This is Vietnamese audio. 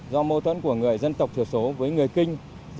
do mâu thuẫn của người dân tộc thiểu số với người kinh